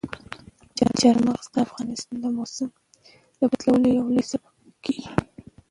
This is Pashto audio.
چار مغز د افغانستان د موسم د بدلون یو لوی سبب کېږي.